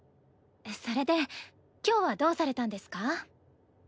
それで今日はどうされたんですか？